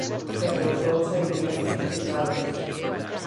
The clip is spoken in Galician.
Pero os dous sairían prexudicados.